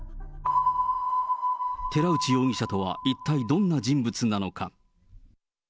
寺内容疑者とは一体どんな人物なのか。